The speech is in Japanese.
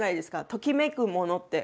ときめくものって。